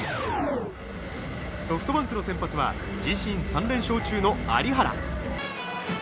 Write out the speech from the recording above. ソフトバンクの先発は自身３連勝中の有原。